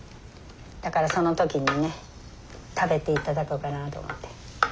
だからその時にね食べて頂こうかなと思って。